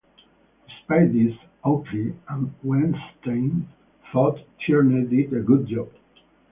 Despite this, Oakley and Weinstein thought Tierney did a good job.